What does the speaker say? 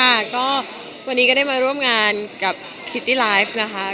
ค่ะก็วันนี้ก็ได้มาร่วมงานกับคิตตี้ไลฟ์นะคะ